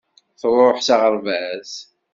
Truḥ s aɣerbaz.